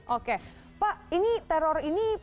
oke pak ini teror ini